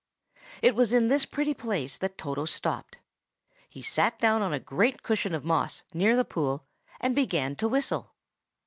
It was in this pretty place that Toto stopped. He sat down on a great cushion of moss near the pool, and began to whistle.